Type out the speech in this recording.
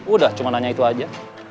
udah cuma nanya itu aja